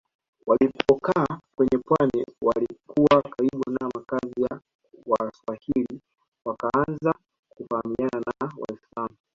Walipokaa kwenye pwani walikuwa karibu na makazi ya Waswahili wakaanza kufahamiana na Waislamu